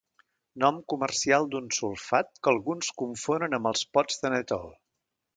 Nom comercial d'un sulfat que alguns confonen amb els pots de Netol.